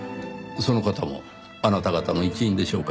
その方もあなた方の一員でしょうか？